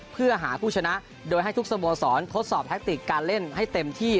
เพื่อหาผู้ชนะโดยให้ทุกสโมสรทดสอบแทคติกการเล่นให้เต็มที่